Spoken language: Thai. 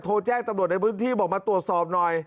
โทรแจ้กคำสั่งสิ่งตอนให้ไปตรวจสอบหน่อย